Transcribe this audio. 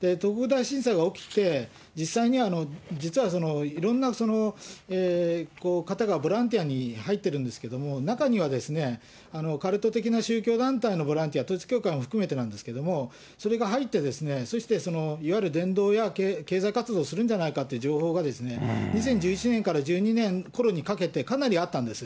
東北大震災が起きて、実際に実はいろんな方がボランティアに入ってるんですけど、中にはカルト的な宗教団体のボランティア、統一教会も含めてなんですけれども、それが入って、そしていわゆる伝道や経済活動をするんじゃないかという情報が、２０１１年から１２年ころにかけてかなりあったんです。